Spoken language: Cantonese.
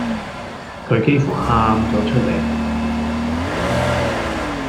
佢幾乎喊咗出嚟